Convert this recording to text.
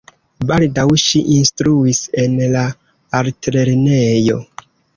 Baldaŭ ŝi instruis en la altlernejo.